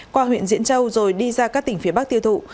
qua huyện diễn châu rồi đi ra các tỉnh phía bắc tiêu thụ